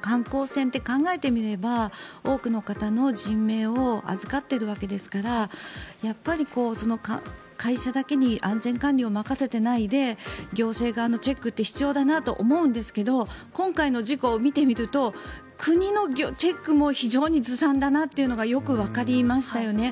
観光船って、考えてみれば多くの方の人命を預かっているわけですからやっぱりその会社だけに安全管理を任せていないで行政側のチェックって必要だなと思うんですけど今回の事故を見てみると国のチェックも非常にずさんだなというのがよくわかりましたよね。